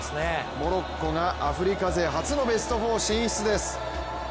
モロッコがアフリカ勢初のベスト４進出です。